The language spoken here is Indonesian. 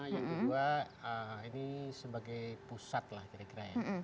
yang kedua ini sebagai pusat lah kira kira ya